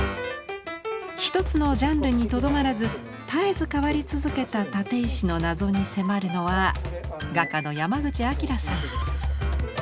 一つのジャンルにとどまらず絶えず変わり続けた立石の謎に迫るのは画家の山口晃さん。